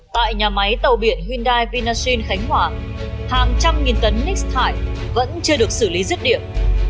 tại nhà máy tàu biển hyundai vinasin khánh hòa hàng trăm nghìn tấn ních thải vẫn chưa được xử lý rứt điểm